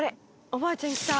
おばあちゃん来た？」